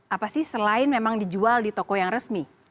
apa sih selain memang dijual di toko yang resmi